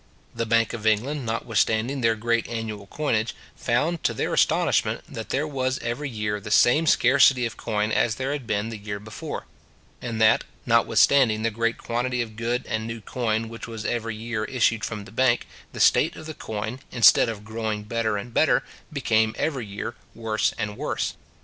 The Bank of England, notwithstanding their great annual coinage, found, to their astonishment, that there was every year the same scarcity of coin as there had been the year before; and that, notwithstanding the great quantity of good and new coin which was every year issued from the bank, the state of the coin, instead of growing better and better, became every year worse and worse.